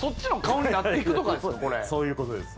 そういうことです。